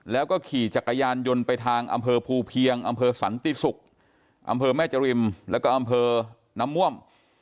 แล้วก็ขี่จักรยานยนต์ไปทางอำเภอภูเพียงอำเภอสันติศุกร์อำเภอแม่จริมแล้วก็อำเภอน้ำม่วง